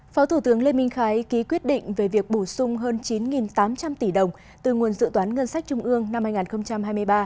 phó thủ tướng lê minh khái ký quyết định về việc bổ sung hơn chín tám trăm linh tỷ đồng từ nguồn dự toán ngân sách trung ương năm hai nghìn hai mươi ba